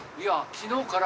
昨日から！？